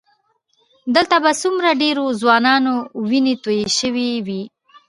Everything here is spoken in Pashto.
دلته به څومره ډېرو ځوانانو وینې تویې شوې وي.